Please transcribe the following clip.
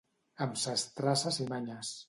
Amb ses traces i manyes.